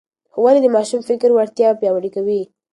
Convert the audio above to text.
ښوونې د ماشوم فکري وړتیا پياوړې کوي.